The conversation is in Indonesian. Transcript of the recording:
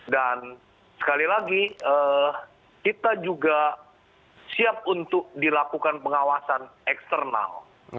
dan sekali lagi kita juga siap untuk dilakukan pengawasan eksternal